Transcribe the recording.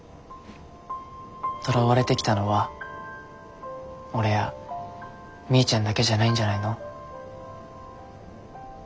とらわれてきたのは俺やみーちゃんだけじゃないんじゃないの？